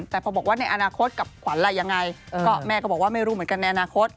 แต่พอบอกว่าในอนาคตกับขวัญอะไรยังไงก็แม่ก็บอกว่าไม่รู้เหมือนกันในอนาคต